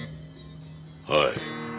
はい。